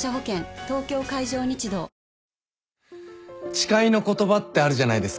「誓いの言葉」ってあるじゃないですか。